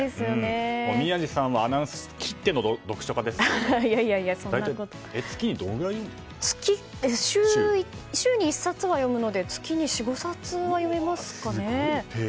宮司さんはアナウンス室きっての読書家ですけど週に１冊は読むので月に４５冊は読みますかね。